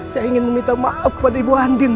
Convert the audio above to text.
saya ingin meminta maaf kepada ibu andin